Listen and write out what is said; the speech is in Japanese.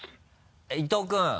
伊藤君。